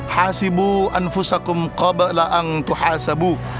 hasibu anfusakum qaba' la'ang tuhaasabu